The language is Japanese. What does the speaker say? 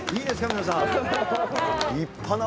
皆さん？